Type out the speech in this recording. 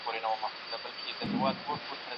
لوستې مور د ماشومانو د ناروغۍ مخنيوي لارې کاروي.